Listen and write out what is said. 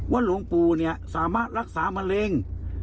ว่าหลวงปู่สามารถรักษามะเร็ง